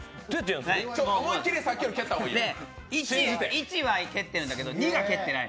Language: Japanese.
１は蹴ってるんだけど、２は蹴ってない。